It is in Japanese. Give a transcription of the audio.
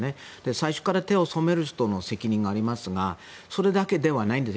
最初から手を染める人の責任がありますがそれだけではないんです。